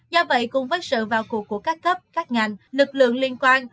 do vậy cùng với sự vào cuộc của các cấp các ngành lực lượng liên quan